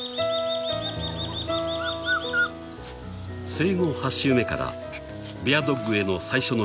［生後８週目からベアドッグへの最初の試練